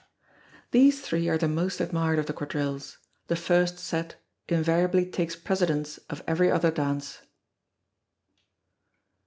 These three are the most admired of the quadrilles: the First Set invariably takes precedence of every other dance.